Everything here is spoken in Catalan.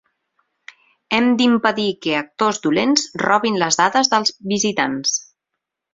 Hem d'impedir que actors dolents robin les dades dels visitants.